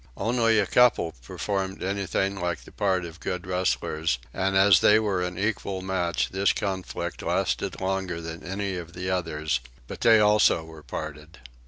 Only one couple performed anything like the part of good wrestlers; and as they were an equal match this conflict lasted longer than any of the others; but they also were parted.